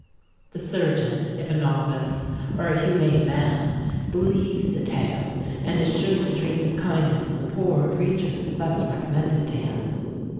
The surgeon—if a novice, or a humane man—believes the tale, and is sure to treat with kindness the 'poor creatures' thus recommended to him.